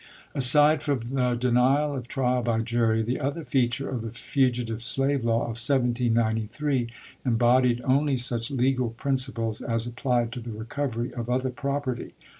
Aside from the denial of trial by jury, the other feature of the fugitive slave law of 1793 embodied only such legal principles as applied to the recovery of other property.